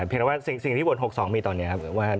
เพียงแต่ว่าสิ่งที่โหวต๖๒มีตอนนี้ครับ